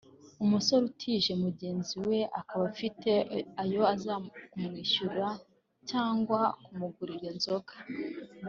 umusore utije mugenzi we akaba afite ayo aza kumwishyura cyangwa kumugurira inzoga